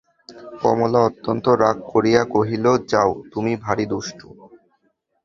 কমলা অত্যন্ত রাগ করিয়া কহিল, যাও, তুমি ভারি দুষ্ট!